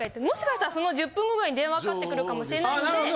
もしかしたらその１０分後ぐらいに電話かかってくるかもしれないので。